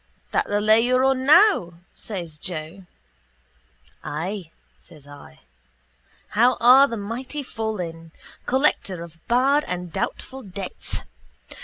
—That the lay you're on now? says Joe. —Ay, says I. How are the mighty fallen! Collector of bad and doubtful debts.